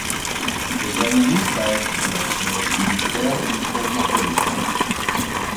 Le jornalista es, pro si dicer, un cosmopolita.